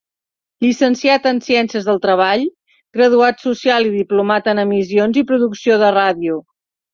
Llicenciat en Ciències del Treball, Graduat Social i Diplomat en Emissions i Producció de Ràdio.